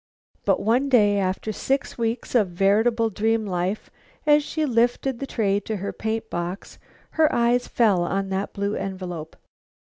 But one day, after six weeks of veritable dream life, as she lifted the tray to her paint box her eyes fell on that blue envelope.